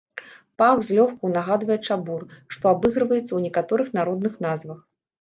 Пах злёгку нагадвае чабор, што абыгрываецца ў некаторых народных назвах.